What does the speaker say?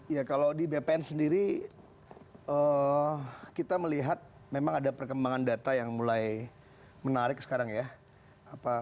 ya kalau di bpn sendiri kita melihat memang ada perkembangan data yang mulai menarik sekarang ya